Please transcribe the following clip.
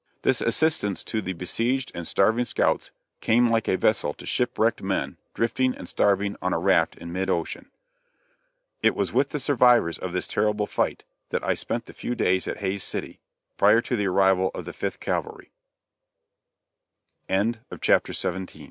This assistance to the besieged and starving scouts came like a vessel to ship wrecked men drifting and starving on a raft in mid ocean. It was with the survivors of this terrible fight that I spent the few days at Hays City, prior to the arrival of the Fift